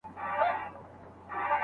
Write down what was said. زده کونکي باید د خپل کلتور څخه ویاړ وکړي.